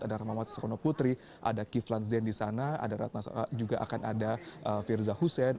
ada rahmawati soekarno putri ada kiflan zen di sana ada ratna juga akan ada firza husein